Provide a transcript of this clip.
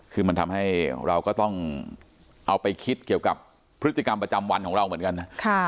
คือมันทำให้เราก็ต้องเอาไปคิดเกี่ยวกับพฤติกรรมประจำวันของเราเหมือนกันนะ